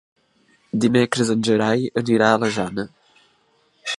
Dimecres en Gerai anirà a la Jana.